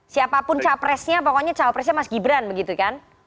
siapapun capresnya pokoknya cawapresnya mas gibran begitu kan